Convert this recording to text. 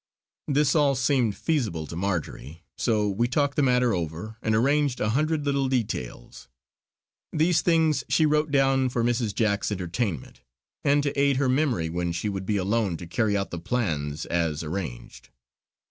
This all seemed feasible to Marjory; so we talked the matter over and arranged a hundred little details. These things she wrote down for Mrs. Jack's enlightenment, and to aid her memory when she would be alone to carry out the plans as arranged.